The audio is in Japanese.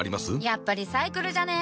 やっぱリサイクルじゃね？